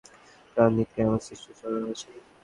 প্রাণ নিতেই আমাদের সৃষ্টি করা হয়েছে।